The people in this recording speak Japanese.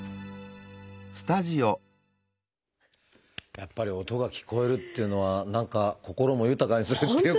やっぱり音が聞こえるというのは何か心も豊かにするっていうか。